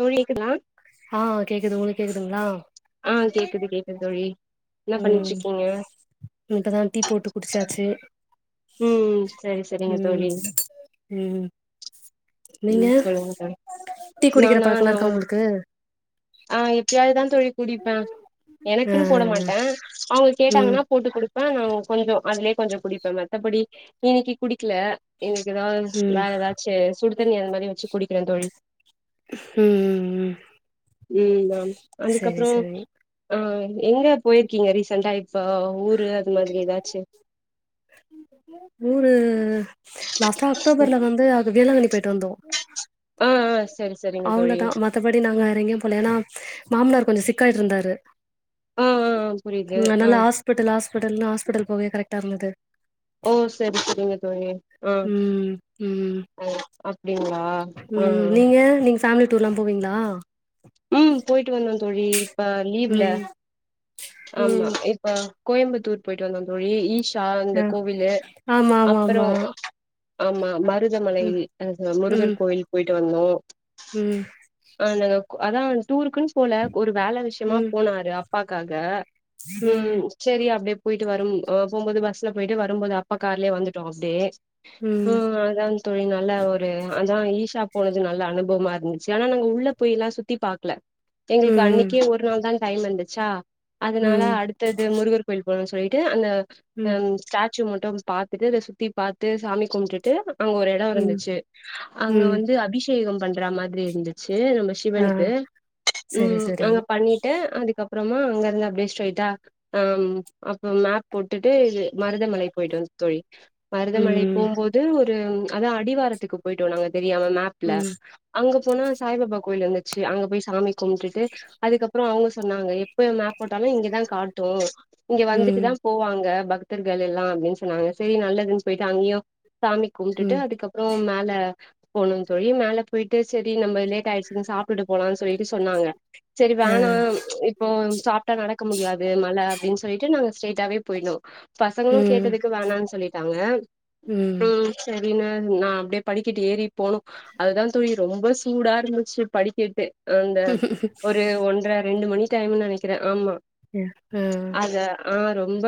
தோழி க்குதா ஆ கேக்குது உங்களுக் கேக்குதுங்களா ஆ கேக்குது கேக்குது தோழி என்ன ம் பண்ணிட்டிருக்கீங்க இப்பதா டீ போட்டு குடிச்சாச்சு ம் சரி சரிங்க தோழி ம் நீங்க ம் சொல்லுங்கங் தோழி டீ குடிக்கிற நானா பழக்கலா நா இருக்கா வந்ச்சு உங்களுக்கு ஆ எப்பயாவதுதா தோழி கூடிப்பே ஆ எனக்குன்னு போட மாட்டே அவுங்க ம் கேட்டாங்ன்னா போட்டு குடுப்பே நா கொஞ்ச அதுலயே கொஞ்சே குடிப்பே மத்தபடி இன்னிக்கி குடிக்கல இன்னிக்கு தா ம் வேற ஏதாச்சு சுடுதண்ணி அந்மாரி வெச்சு குடிக்கிறே தோழி ம் ம் ம் ஆம் சரி அதுக்கப்புறோ சரி ஆ எங்க போயிருக்கீங்க ரீசெண்டா இப்ப ஊரு அது மாதிரி ஏதாச்சு ஊர்ஹூ ம் லாஸ்டா அக்டோபர்ல வந்து அது வேளாங்கண்ணி போயிட்டு வந்தோ ஆ ஆ சரி சரிங்க அவ்ளோதா தோழி மத் மத்தபடி நாங்க வேறங்கேயூ போல ஏன்னா மாமனார் கொஞ்சொ சிக்காயிட்டு இருந்தாரு ஆ ஆ புரியுது அதனால ஆ ஹாஸ்பிட்டல் ஹாஸ்பிடல்ன்னு ஹாஸ்பிட்டல் போகவே கரெக்டா இருந்தது ஓ சரி சரிங்க தோழி ஆ ம் ம் அப்டிங்களா ஆ ம் நீங்க நீங்க ஃபேமிலி டூர்ல்லா போவீங்களா ம் போயிட்டு வந்தோ தோழி இப்ப லீவ்ல ம் ஆமா ம் ப கோயம்பத்தூர் போய்ட்டு வந்தோ தோழி ஈஷ் சா அந்த ஆ கோவிலு ஆமா ஆமா அப்றோ ஆமா ஆமா மருதமலை ம் அது ம் முருகர் கோயில் போயிட்டு வந்தோ ம் ஆ நாங்க அதா டூருக்குன் போல ஒரு வேல விஷ்யமா ம் போனாரு அப்பாக்காக ம் செரி அப்டியே போயிட்டு வரும் போம்போது பஸ்ல போயிட்டு வரும்போது அப்பா கார்லே வந்துட்டோ அப்டியே ம் அதா தோழி நல்ல ஒரு அதா ஈஷா போனது நல்ல அனுபவமா இருந்துச்சு ஆனா நாங்க உள்ள போய்ல்லா சுத் த்தி பாக்ல எங்களுக்கு ம் அன்னிக்கே ஒரு நாள் தா டைம் இருந்துச்சா அதனால ம் அடுத் தது முருகர் கோவில் போனுன் சொல்லிட்டு அந்த அ ம் ஸ்டாச்சூ மட்டு பாத்துட்டு இத சுத்தி பாத்து சாமி கும்பிட்டுட்டு அங்க ஒரு தாவு ம் இருந்துச்சு அங்க ம் வந்து அபிஷேகம் பண்ற மாதிரி இருந்துச்சு நம்ம ஆ சிவனுக் கு சரி ம் சரி அங்க பண்ணிட்டு அதுக்கப்பறமா அங்க இருந்து அப்டியே ஸ்ரெய்ட்டா அம் அப்ப மேப் போட்டுட்டு மருதமலை போய்ட்டோ தோழி மருதமலைக்கு ம் போம்போது ஒரு அதா அடிவாரத்துக்கு போய்ட்டோ நாங்க தெரியாம மேப்ல ம் அங்க போனா சாய்பாபா கோயில் இருந்துச்சு அங்க போய் சாமி கும்ட்டுட்டு அதுக்கப்றோ அவுங்க சொன்னாங்க எப் ப மேப் போட்டாலு இங்கதா காட்டு இங்க வந்துட்டு ம் தா போவாங்க பக்தர்கள் எல்லா அப்டின் சொன்னாங்க சரி நல்லதுன் பேய்ட்டு அங்கயு சாமி கும்ட்டுட்டு ம் அதுக்கப் ப்றோம் மேல போனோ தோழி மேல போய்ட்டு சரி நம்ம லேட் ஆயிட்ச்சுன்னு சாப் பிட்டு போலான் சொல்லிட்டு சொன்னாங்க சரி ஆ வேணாம் இப்போ சாப்ட்டா நடக்க முடியாது மல அப்டின் சொல்லிட்டு நாங்க ஸ்ட்ரைட்டாவே போய்னோ பசங்களு ம் கேட்டதுக்கு வேணான் சொல்லிட்டாங்க ம் சேரின்னு நா அப்டியே படிக்கட்டு ஏறி போனோ அதுதா தோழி ரொம்ப சூடா இருந்துச்சு படிக்கெட்டு அந்த ஒரு ஒன்ற ரெண்டு மணி டைம்ன் நெனக்கிற ஆமா ஆ ஆ அத ஆ ரொம்ப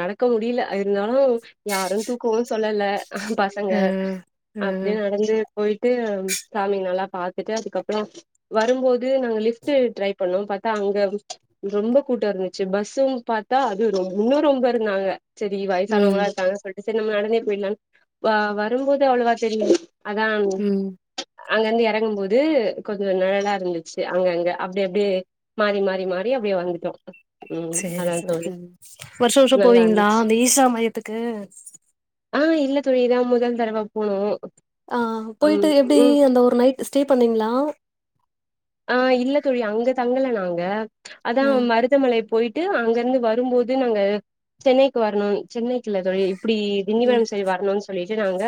நடக்க முடில இருந்தாலு யாரு தூக்கவு சொல்லல பசங்க ஆ அப்டியே நடந்து போய்ட்டு சாமிங் நல்லா பாத்துட்டு அதுக்கப் வ வரும்போது நாங்க லிஃப்ட்டு ட்ரை பண்ணோன் பாத்தா அங்க ரொம்ப கூட்ட இருந்துச்சு பஸ்ஸும் பாத்தா அது ரொம் இன்னு ரொம்ப இருந்தாங்க சேரி ம் வயசானவங்ளா இருக்காங்க சொல்ட்டு சேரி நம்ம நடந்தே போயிட்லான் வ வரும்போது அவ்ளவா தெரி அதா ம் அங்கேந்து எறங்கும் போது கொஞ்ச நிழலா இருந்துச்சு அங்க அங்க அப்டி அப்டியே மாறி மாறி மாறி அப்டியே வந்துட்டோ ம் சேரி அதா தோழி சேரி வருஷோ வருஷோ நல்லா போவீங்களா இருந்துச்சு அந்த ஈசா மையத்துக்கு ஆ இல்ல தோழி இதா முதல் தரவ போனோ ஆ போய்ட்டு ம் எப்டி ம் அந்த ஒரு நைட் ஸ்டே பண்ணீங்ளா ஆ இல்ல தோழி அங்க தங்கல நாங்க அதான் ஆ மருத் தமலை போயிட்டு அங்க இருந்து வரும்போது நாங்க சென்னைக்கு வரணுன் சென்னைக்கு இல்ல தோழி இப்டி ம் திண்டிவனம் சைடு வரணுன் சொல்லிட்டு நாங்க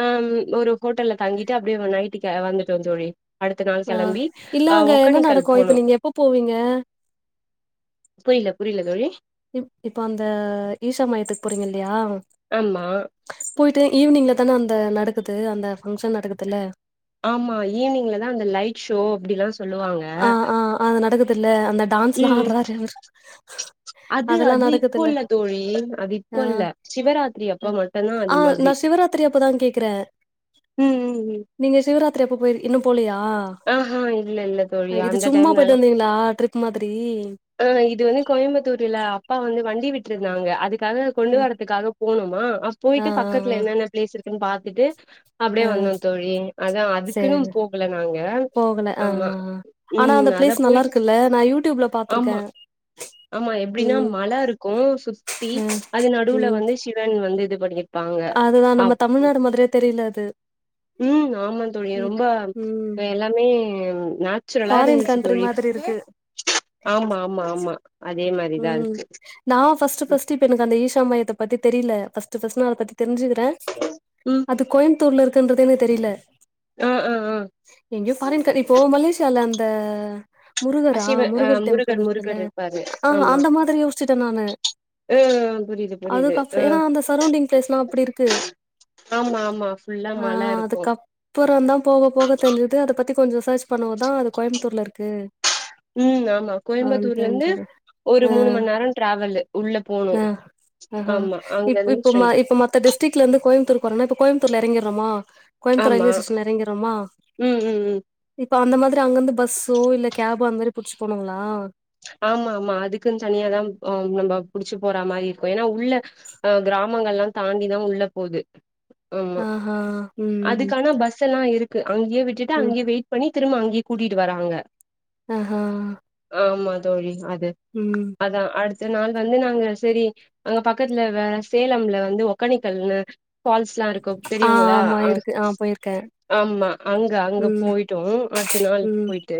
அ ம் ஒரு ஹோட்டல்ல தங்கிட்டு அப்டியே நைட்டுக்கு வந்துட்டோ தோழி அடுத்த நாள் ஆ கெளம்பி இல்ல ஆ அங்க என்ன ஒக்கேனக்கல் நடக்கு இப்ப போனோ நீங்க எப்ப போவீங்க புரில புரில தோழி இப் இப்ப அந்த ஈஷா மையத்துக்கு போறிங்க இல்லயா ஆமா போயிட்டு ஈவினிங்லதான அந்த நடக்குது அந்த பங்க்ஷன் நடக்குதுல்ல ஆமா ஈவினிங்லதா அந்த லைட் ஷோ அப்டிலா சொல்லுவாங்க ஆ ஆ அது நடக்குதுல்ல அந்த டான்ஸ்லா ம் ஆடுறாரு அவரு அது அதெல்லா அது இப்ப நடக்குதுல்ல இல்ல தோழி அது ஆ இப்ப இல்ல சிவராத்திரி அப்ப ம ஆ நா சிவராத்திரி அப்பதா கேக்கற ம் ம் ம் நீங்க சிவராத்திரி அப்ப போயி இன்னு போலயா ஆ ஹா இல்ல இல்ல தோழி இது அந்த சும்மா டைம்லலா போய்ட்டு வந்திங்களா ட்ரிப் மாதிரி ஆ இது வந்து கோயம்புத்தூரில அப்பா வந்து வண்டி விட்ருந்தாங்க அதுக்காக கொண்டு ம். வரதுக்காக போனுமா அ ஆ போயிட்டு ஆ பக்கத்துல என்னென்ன பிளேஸ் இருக்குன் பாத்துட்டு ஆ அப்டியே வந்தோ தோழி அதா அதுக்குனு சேரி போகல நாங்க போகல ஆ ஆமா ஆ ஆ ஆனா அந்த ம் அதா பிளேஸ் நல்லா போயிட்டு இருக்குல்ல நா யூடியூப்ல பாத்திருக்கே ஆமா ஆமா எப்டின்னா ம் மல இருக்கு சுத்தி ம் அது நடுவுல ம் வந்து சிவன் வந்து இது பண்ணி அதுதா நம்ம தமிழ்நாடு மாதிரியே தெரில அது ம் ஆமா தோழி ம் ரொம்ப ம் அங்க எல்லாமே நேச்சுரலா ஃபாரின் இருந்துச்சு கண்ட்ரி தோழி மாதிரி இருக்கு ஆமா ஆமா ஆமா அதே மாரிதா ம் இருக்கு நா ஃபஸ்ட்டு ஃபஸ்ட்டு இப்ப எனக்கு அந்த ஈஷா மையத்த பத்தி தெரில ஃபஸ்ட்டு ஃபஸ்ட்டு நா அத பத்தி தெரிஞ்சு ட்ட ம் அது கோயம்புத்தூர்ல இருக்குன்றதே எனக் தெரில ஆ ஆ ஆ எங்கயோ ஃபாரின் கன் இப்போ மலேசியால அந்த ஆ முருகரா சிவ ஆ முருகர் டெம்பிள் இருக்குல்ல முருகர் இருப்பாரு ஆ ஆமா அந்த மாதிரி யோசிச்சுட்ட நானு ம் புரியுது புரியுது அதுக்கப் அ ஏன்னா அந்த சரௌண்டிங் பிளேஸ்லா அப்டி இருக்கு ஆமா ஆமா ஃபுல்லா மல இருக்கு அப்பறந்தா போக போக தெரிஞ்சுது அத பத்தி கொஞ்ச சர்ச் பண்ணவுந்தா அது கோயம்புத்தூர்ல இருக்கு ம் ஆமா ஆ கோயம்புத்தூர்ல இருந்து தெரிஞ்சது. ஒரு அ மூணு மண் நேர ட்ராவலு உள்ள போனு அ ஆஹ இப் இப்ப ம இப்ப மத்த டிஸ்ட்ரிக்ல இருந்து கோயுத்தூர்க்கு வரோன்னா இப்ப கோயம்புத்தூர்ல எறங்கிர்றமா கோயமுத்தூர் ஆமா ரயில்வே ஸேஷன்ல எறங்கிர்றமா ம் ம் ம் இப்ப அந்த மாதிரி அங்கிருந்து பஸ்ஸோ இல்ல கேபோ அந்த மாரி புடிச்சு போகனுங்ளா ஆமா ஆமா அதுக்குன் தனியாதா ஆ நம்ம புடிச்சி போறா மாரி இருக்கு ஏன்னா உள்ள அ கிராமங்கல்லா தாண்டிதா உள்ள போது ஆமா ஆஹா ம் அதுக்கான பஸ் எல்லா இருக் கு அங்கயே விட்டுட்டு ம் அங்கயே வெயிட் பண்ணி திரும்ப அங்கயே கூட்டிட்டு வராங்க ஆ ஹ ஆமா தோழி அது ம் அதா அடுத்த நாள் வந்து நாங்க செரி அங்க பக்கத்துல வேற சேலம்ல வந்து ஒக்கனிக்கல்னு ஃபால்ஸ்லா இருக்கு ஆ தெரியுங்ளா ஆமா அ இருக்கு ஆ போயிருக்கே. ஆமா அங்க அங்க ம் போயிட்டோ அடுத்த நாள் ம் போய்ட்டு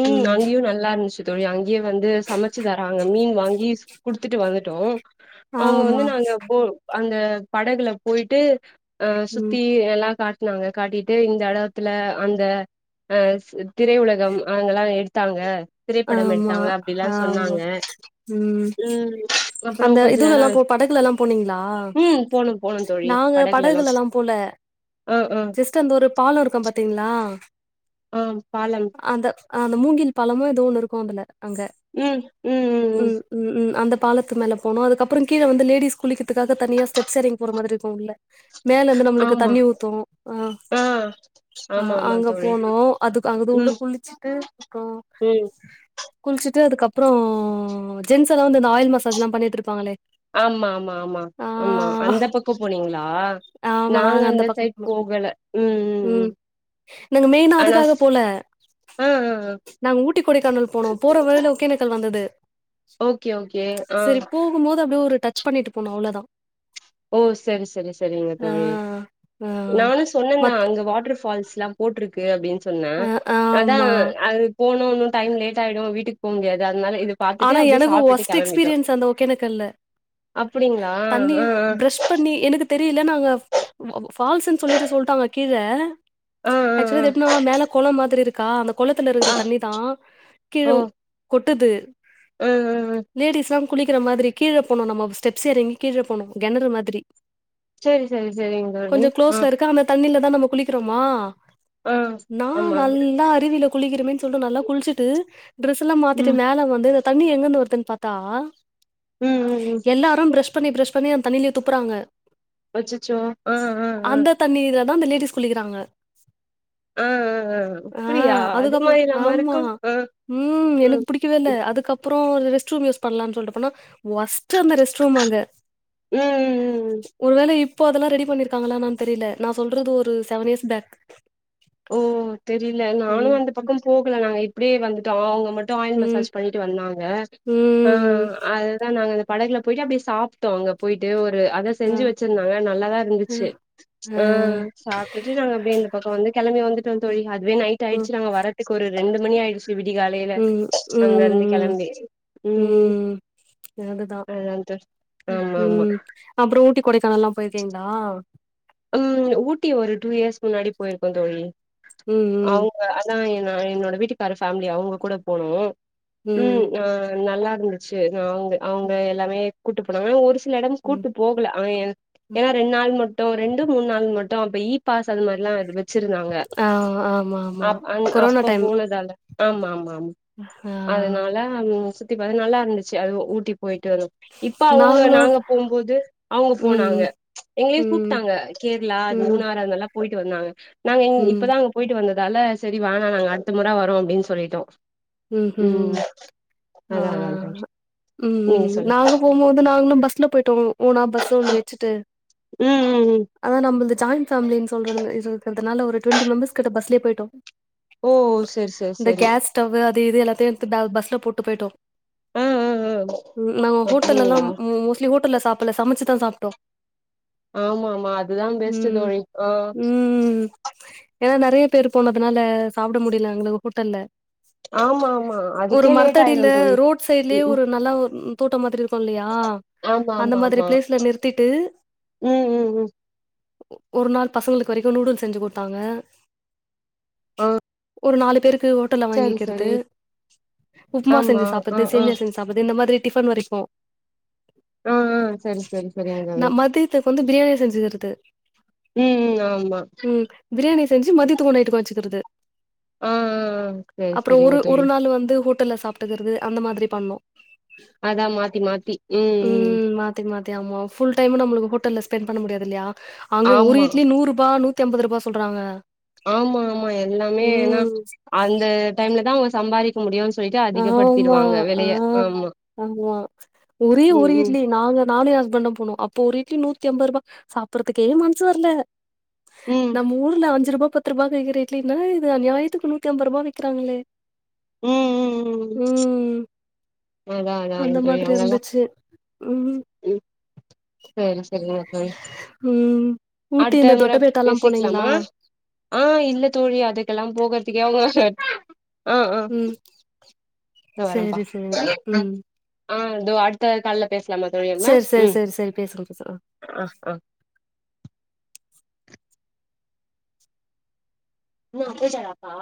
ம் அங்கியு நல்லா இருந்துச்சு தோழி அங்கயே வந்து சமச்சு தராங்க மீன் வாங்கி குடுத்துட்டு வந்துட்டோ அவுங்க ஆமா வந்து நாங்க போ அந்த படகுல போயிட்டு அ ம் சுத்தி எல்லா காட்டுனாங்க காட்டீட்டு இந்த எடத்துல அந்த அ திரை உலகம் அங்கல்லா எடுத்தாங்க திரைப்படம் ஆமா எடுத்தாங்க அப்டிலா ஆமா சொன்னாங்க ம் ம் அப்பறோ அந்த கொஞ்ச நேரோ இதுலல்லா போ படகுலல்லா போனீங்களா? ம் போணு போணு தோழி நாங்க படகுலலா அ அ த்து அந்த ஒரு பாலோ இருக்கு பாத்திங்ளா ஆ பாலம் அந்த அந்த மூங்கில் பாலமு எதோ ஒண்ணு இருக்கு அதுல அங்க ம் ம்ம்ம் ம்ம் அந்த பாலத்து மேல போனு அதுக்கப்பறோ கீழ வந்து லேடீஸ் குளிக்கறத்துக்காக தனியா ஸ்டெப்ஸ் எறங்கி போற மாதிரி இருக்கு உள்ள மேல இருந்து நம்மளுக்கு ஆமா தண்ணீ ஊத்தூ அ ஆ அ ஆமா ஆமா அங்க தோழி போனோ அதுக்கு அங்க தூர்ல ம் குளிச்சிட்டு அப்பறோ ம் குளிச்சுட்டு அதுக்கப்பறோ ஜென்ஸ் எல்லா வந்து இந்த ஆயில் மசாஜ்லா பண்ணிட்ருப்பாங்களே ஆமா ஆமா ஆமா ஆமா அந்த பக்கோ போனீங்களா ஆமா நாங்க அந்த பக்கம் சைட் போனோ போகல ம் ம் ம் நாங்க மெயினா ஆனா அதுக்காக ஸ் போல ஆ ஆ ஆ நாங்க ஊட் ட்டி கொடைக்கானல் போனோ போற வழில ஓகேணக்கல் வந்தது ஓகே ஓகே ஆ சரிப்பூ போம்போது அப்டியே ஒரு டச் பண்ணீட்டு போனோ அவ்ளதா ஓ செரி செரி செரிங்க ஆ தோழி ஆ நானு சொன்னந்தா மத் அங்க வாட்டர் ஃபால்ஸ்லா போட்ருக்கு அப்டின் சொன்னா ஆ அதா ஆமா அது போனு உன்னு டைம் லேட் ஆயிடு வீட்டுக் போ முடியாது அதனால இது பாத்துட்டு ஆனா அப்டியே எனக்கு சாப்டுட்டு ஒஸ்ட் கெளம்பிட்டோ எக்ஸ்பீரியன்ஸ் அந்த அப்படிங்ளா தண்ணீ ப்ரஷ் பண்ணி எனக்கு தெரில நாங்க ப் பால்ஸ்ஸுன் சொல்லீட்டு சொல்ட்டாங்க கீழ ஆ ஆ ஆக்சுலா அது எப்னா மேல கொளோ மாதிரி இருக்கா அந்த கொளத்துல ஆ இருக்கற ஆ தண்ணீ தா கீழ கொட்டுது ம் லேடிஸ்லா குளிக்கற மாதிரி கீழ போனு நம்ம ஸ்டெப்ஸ் எறங்கி கீழ போனும்மா கெணறு மாதிரி செரி செரி செரிங்க தோழி கொஞ்சோ ஆ குளோஸ்ல இருக்கு அந்த தண்ணீலதா நம்ம குளிக்கறமா ஆ நா ஆமா நல்லா அருவில குளிக்கிறமேன் சொல்ட்டு நல்லா குள்ச்சிட்டு ட்ரேஸ் எல்லா மாத்திட்டு ம் மேல வந்து இந்த தண்ணி எங்கருந்து வருதுன் பாத்தா ம் ம் எல்லாரு ப்ரஷ் பண்ணீ ப்ரஷ் பண்ணீ அந்த தண்ணீலே துப்பறாங்க அச்சிச்சோ ம் ம் ம் தண்ணீல தா அந்த லேடிஸ் குளிக்கறாங்க ஆ ஆ அப்டியா அது அதுக்கப்பறோ மாரிலாமா ஆமா இருக்கு ஆ ம் எனக்கு பிடி க்கவே இல்ல அதுக்கப்பறோ ரெஸ்ட் ரூம் யூஸ் பண்லான் சொல்ட்டு போனா ஒஸ்ட்டு அந்த ரெஸ்ட் ரூம் அங்க ம் ம் ம் ம் ஒரு வேல இப்ப அதல்லா ரெடி பண்ணிருக்காங்களா என்னனு தெரில நா சொல்றது ஒரு செவன் இயர்ஸ் பேக் ஓ தெரில நானு ம் அந்த பக்கம் போகல நாங்க இப்டியே வந்துட்டோ அவுங்க மட் டு ஆயில் ம் மசாஜ் பண்ணிட்டு வந்தாங்க அ ம் அதுதா நாங்க அந்த படகுல போயிட்டு அப்டியே சாப் ட்டோ அங்க போயிட்டு ஒரு அத ஆ செஞ்சு வெச்சிருந்தாங்க நல்லாதா அ இருந்துச்சு ஆ சாப்டுட்டு நாங்க அப்டியே இந்த பக்கோ வந்து கெழம்பி வந்துட்டோ ம் தோழி அதுவே நைட் ம் ஆயிடுச்சு நாங்க வரத்துக்கு ஒரு ரெண்டு மணி ஆயிடுச் விடி காலேல ம் அங்க இருந்து ம் ம் கெளம்பி ம் அதுதா அதான் த ஆமா ஆமா அப்புற ஊட்டி கொடைக்கானல்லா போயிருக்கீங்களா ம் ஊட்டி ஒரு டூ இயர்ஸ்க் முன்னாடி போயிருக்கோ தோழி ம் ம் அவுங்க அதா என்னோட என்னோட வீட்டுக்கார ஃபேமிலி அவங்க கூட போனோ ம் அ நல்லா இருந்துச்சு அங்க அவுங்க எல்லாமே கூட்டு போனாங்க ஒரு துல எடம் ம் கூட்டு போகல ஆ என் ம் ஏன்னா ரெண்டு நாள் மட்டும் ரெண் து மூன் நாள் மட்டும் அங் போயி பாஸ் அது மார்ல்லாருந் சிருந்தாங்க ஆ ஆமா ஆமா அப் அங் கொரோனா அப்ப டைம் போனதால ஆம்மா ஆமா ஆமா ஆ அதனால சுத்தி பாத் நல்லா இருந்துச்சு அது ஊட்டி போயிட்டு வரு இப்ப அவுங்க நாங்களு நாங்க போம்போது அவுங்க போனாங்க ம் எங்கலயு ம் கூப்ட்டாங்க கேர்ளா ம் மூனாார் அங்க எல்லா போயிட்டு வந்தாங்க நாங்க இங் ம் இப்பதா அங் போயிட்டு வந்ததால சேரி வேணா நாங்க அடுத்த மொறவரோ அப்டின் சொல்லிட்டோ ம் ம் அதா அதா ம் நீங்க ம் சொல்லு நாங்க போம்போது நாங்ளும் பஸ்ல போயிட்டோ ஓனா பஸ்ச ஒன்னு வச்சுட்டு ம் ம் ம் அதா நம்மள்து ஜாயி்ன் ஃபேமின் சொல்ற இது இவனால ஒரு டொன்வெண்டி மெம்பர்ஸ் கிட்ட பஸ்லே போயிட்டோ ஓ செர் செர் செரி டவ்வு அது இது எல்லாத்தயு ப பஸ்ல போட்டு போயிட்டோ ஆ ஆ ஆ ம் நாங்க ஹோட்டலெல்லா அப்டிங்களா மோஸ்ட்லி ஹோட்டல்ல சாப்பல்ல சமைச்சுதா சாப்ட்டோ ஆமா ஆமா அதுதா பெஸ்ட்டு ம் தோழி ஆ ஏனா நெறைய பேர் போனதுனால சாப்ட முடியல எங்களு ஹோட்டெல்ல ஆமா ஆமா ஒரு அதுக்கே லேட் ஆயிடு மரத்தடியில்ல தோழி ரோட் சைட்லயே ம் ம் ஒரு நல்லா ம் தோட்டம் மாதிரி இருக்கு இல்லயா ஆமா அந்த ஆமா மாதிரி ஆமா பிளேஸ்ல நிறுத்திட்டு ம் ம் ம் ஒரு நாள் பசங்களுக்கு வரைக்கு நூடுல்ஸ் செஞ்சு குடுத்தாங்க ஆ ஒரு நாலு பேருக்கு ஹோட்டல சரி வாங்கிறது சரி உப்புமா ஆமா செஞ்சு ஆ சாப்பறது ஆ சேமியா செஞ்சு சாப்பது இந்த மாரி டிஃபன் வரைக்கு ஆ ஆ சரி சரி சரிங்க தோழி நாம்மது மதியத்துக்கு வந்து பிரியாணி செஞ்சுக்கிறது ம் ம் ஆமா ம் பிரியாணி செஞ்சு மதியத்துக்கு நைட்டுக்கு வச்சுகுறது ஆ ஆ சரி அப்றோ சரிங்க ஒரு தோழி ஒரு நாளு வந்து ஹோட்டல்ல சாப்ட்டுக்கறது அந்த மாரி பண்ணோ அதா மாத்தி மாத்தி உம் த்தி மாத்தி ஆமா ஃபுல் டைம்மோ நம்மளுக்கு ஹோட்டல்ல ஸ்பெண்ட் பண்ண முடியாதுல்லயா அங்க ஒரு ஆமா இட்லி நூறு பா நூத்தி ஐம்பது ரூபா சொல்றாங்க ஆமா ஆமா எல்லாமே ஏன்னா ம் அந்த டைம்ல தாங்க சம்பாரி ஆமா ஆமா ஆமா ஒரே ம் ஓரு ம் இட்லி நாங்க நானு என் ஹஸ்பண்டோ போனோ அப்போ ஒரு இட்லி நூத்தி ஐம்பது ரூபா சாப்பறதுக்கே மன்சு வர்ல ம் நம்ம ஊல அஞ்சி ரூபா பத்து ரூபாக்கி விக்கர இட்லி நா இது அநிஞாயத்துக்கு நூத்தி ஐம்பது ரூபாய்க்கி விக்கிறாங்ளே உம் உம் உம் அதா அதா அந்த தோழி மாதிரி அங்கல்லா இருந்துச்சு ம் ம் சரி சரிங்க ம் ம் ஊட்டி இந்த அடுத்தமொற தொட்டபேட்டால்லா போனீங்களா பேசிக்லாமா ஆ இல்ல தோழி அதுக்கெல்லா போகறதுக்கே அவ்ளதா அ அ ம் தோ வரேம்ப்பா சேரி சேரி ம் ஆ தோ அடுத்த கால்ல பேச்லாமா தோழி இர்னா சேரி சேரி ம் சேரி சேரி பேசுங்க பேசுங்க ஆ ஆ நா போய்ட்டாரா அப்பா